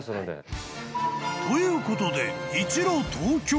［ということで一路］